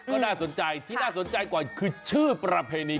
ก็น่าสนใจที่น่าสนใจกว่าคือชื่อประเพณี